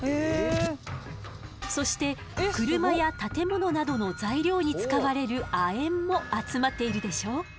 そして車や建物などの材料に使われる亜鉛も集まっているでしょ。